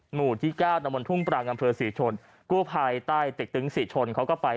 หมู่ที่๙ประมาณทุ่งปลายกำเภอศรีชนกู้ภัยใต้ติดถึงศรีชนเขาก็ไป